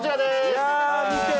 いや見て！